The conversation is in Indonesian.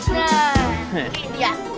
ya ini dia